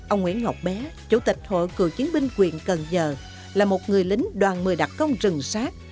ông nguyễn ngọc bé chủ tịch hội cựu chiến binh quyền cần giờ là một người lính đoàn mười đặc công rừng sát